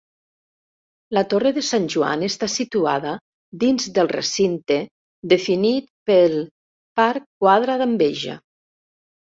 La torre de Sant Joan està situada dins del recinte definit pel Parc Quadra d'Enveja.